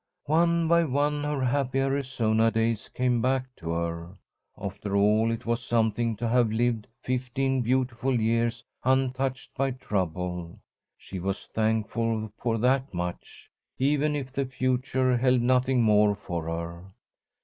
One by one her happy Arizona days came back to her. After all, it was something to have lived fifteen beautiful years untouched by trouble. She was thankful for that much, even if the future held nothing more for her.